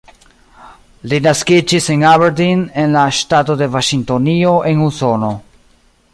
Li naskiĝis en Aberdeen, en la ŝtato de Vaŝingtonio, en Usono.